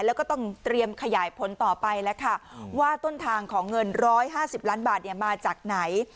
แล้วก็ต้องเตรียมขยายผลต่อไปแล้วค่ะว่าต้นทางของเงิน๑๕๐ล้านบาทมาจากไหน